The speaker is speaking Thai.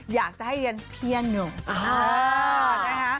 อยากจะให้เรียนเพียนโหน่ง